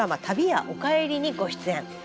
「旅屋おかえり」にご出演。